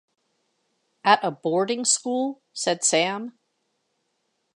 ‘At a boarding-school?’ said Sam.